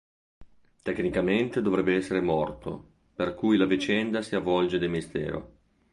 Tecnicamente dovrebbe essere morto per cui la vicenda si avvolge di mistero.